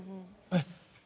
えっ！